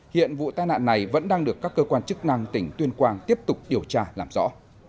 hiện vụ tai nạn này vẫn đang được các cơ quan chức năng tỉnh tuyên quang tiếp tục điều tra làm rõ